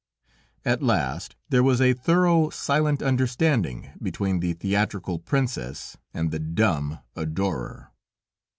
At last there was a thorough, silent understanding between the theatrical princess and the dumb adorer.